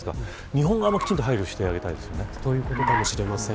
日本側もきちんと配慮してということかもしれません。